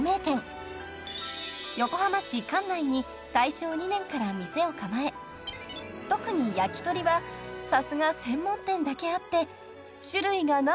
［横浜市関内に大正２年から店を構え特に焼き鳥はさすが専門店だけあって］